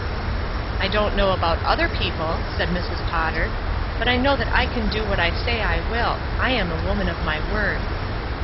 ''I don't know about other people/' said Mrs. Potter, "but I know that I can do what I say I will. I am a woman of my word."